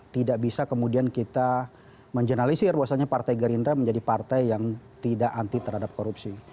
tidak bisa kemudian kita menjernalisir bahwasannya partai gerindra menjadi partai yang tidak anti terhadap korupsi